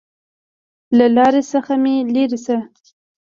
له لارې څخه مې لېرې شه!